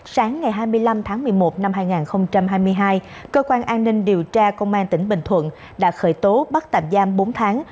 sáng ngày hai mươi năm tháng một mươi một năm hai nghìn hai mươi hai cơ quan an ninh điều tra công an tỉnh bình thuận đã khởi tố bắt tạm giam bốn tháng